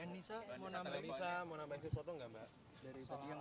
mbak enisa mau nambah sesuatu enggak mbak